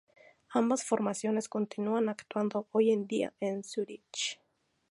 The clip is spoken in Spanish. Ambas formaciones continúan actuando hoy día en Zúrich.